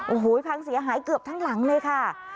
โอ้โหพังเสียหายเกือบทั้งหลังเลยค่ะ